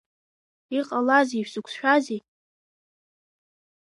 Иҟалазеи, шәзықәшәазеи?